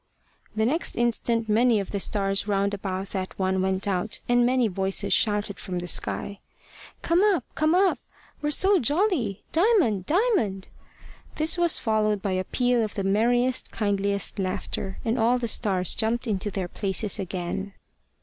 The next instant many of the stars round about that one went out, and many voices shouted from the sky, "Come up; come up. We're so jolly! Diamond! Diamond!" This was followed by a peal of the merriest, kindliest laughter, and all the stars jumped into their places again.